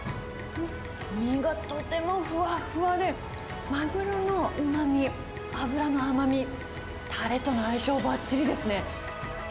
身がとてもふわふわで、マグロのうまみ、脂の甘み、たれとの相性ばっちりですね。